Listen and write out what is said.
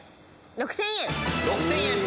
６０００円。